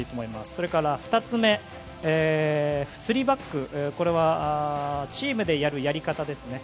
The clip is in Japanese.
それから２つ目３バックこれはチームでやるやり方ですね